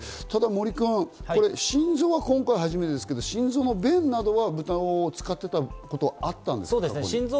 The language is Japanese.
ただ心臓は今回、初めてですけれども心臓の弁などはブタを使っていたことはあったんですよね。